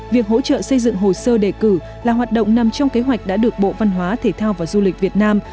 việc hỗ trợ xây dựng hồ sơ đề cử là hoạt động nằm trong kế hoạch đã được bộ văn hóa thể thao và du lịch việt nam